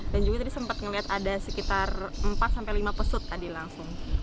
dan juga tadi sempat melihat ada sekitar empat lima pesut tadi langsung